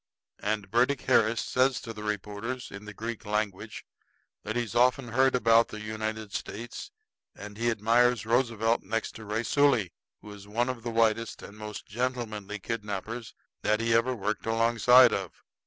And Burdick Harris says to the reporters, in the Greek language, that he's often heard about the United States, and he admires Roosevelt next to Raisuli, who is one of the whitest and most gentlemanly kidnappers that he ever worked alongside of.